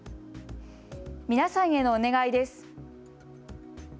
皆さんへのお願いです。